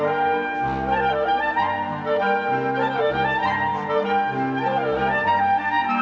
สวัสดีครับสวัสดีครับ